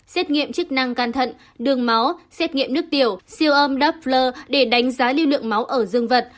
xét nghiệm chức năng can thận đường máu xét nghiệm nước tiểu siêu âm doler để đánh giá lưu lượng máu ở dương vật